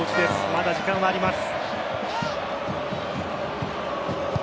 まだ時間はあります。